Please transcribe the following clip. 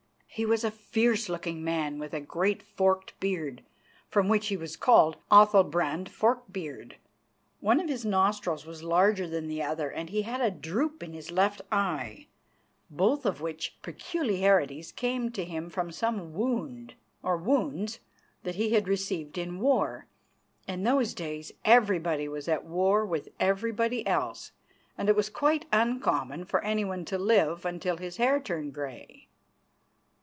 He was a fierce looking man with a great forked beard, from which he was called Athalbrand Fork beard. One of his nostrils was larger than the other, and he had a droop in his left eye, both of which peculiarities came to him from some wound or wounds that he had received in war. In those days everybody was at war with everybody else, and it was quite uncommon for anyone to live until his hair turned grey.